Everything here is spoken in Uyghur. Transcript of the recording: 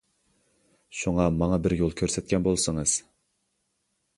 شۇڭا ماڭا بىر يول كۆرسەتكەن بولسىڭىز.